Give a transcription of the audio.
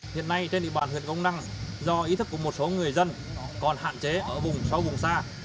hiện nay trên địa bàn huyện công năng do ý thức của một số người dân còn hạn chế ở vùng sâu vùng xa